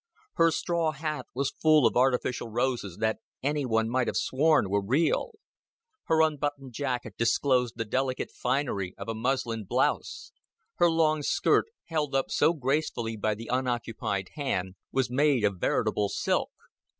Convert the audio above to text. Her straw hat was full of artificial roses that any one might have sworn were real; her unbuttoned jacket disclosed the delicate finery of a muslin blouse; her long skirt, held up so gracefully by the unoccupied hand, was made of veritable silk.